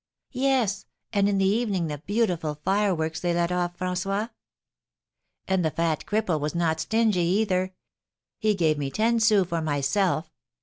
"Yes; and in the evening the beautiful fireworks they let off, François?" "And the fat cripple was not stingy, either. He gave me ten sous for myself.